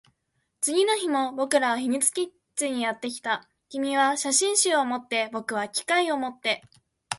次の日も僕らは秘密基地にやってきた。君は写真集を持って、僕は機械を持って。